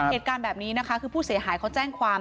เหตุการณ์แบบนี้นะคะคือผู้เสียหายเขาแจ้งความ